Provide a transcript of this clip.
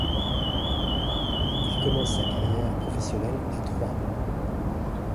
Il commence sa carrière professionnelle à Troyes.